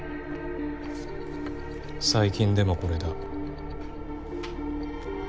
最近でもこれだ。